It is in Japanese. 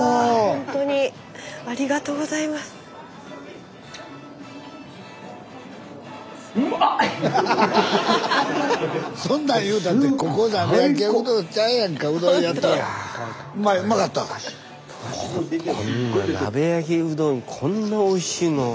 ほんとこんな鍋焼きうどんこんなおいしいのは。